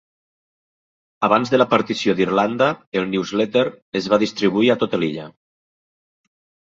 Abans de la partició d'Irlanda, el "News Letter" es va distribuir a tota l'illa.